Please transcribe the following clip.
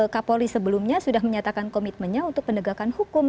kapolri sebelumnya sudah menyatakan komitmennya untuk penegakan hukum